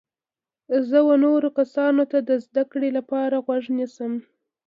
زه و نورو کسانو ته د زده کړي لپاره غوږ نیسم.